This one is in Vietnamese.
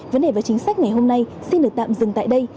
vấn đề và chính sách ngày hôm nay xin được tạm dừng tại đây